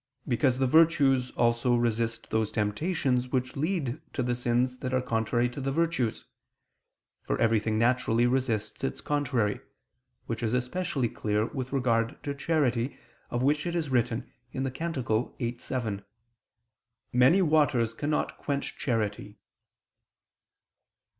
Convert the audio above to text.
Because the virtues also resist those temptations which lead to the sins that are contrary to the virtues; for everything naturally resists its contrary: which is especially clear with regard to charity, of which it is written (Cant. 8:7): "Many waters cannot quench charity."